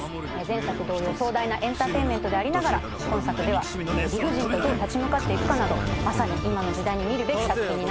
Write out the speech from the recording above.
前作同様壮大なエンターテインメントでありながら今作では理不尽とどう立ち向かっていくかなどまさに今の時代に見るべき作品になってます。